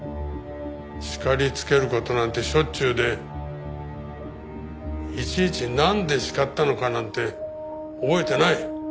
叱りつける事なんてしょっちゅうでいちいちなんで叱ったのかなんて覚えてない。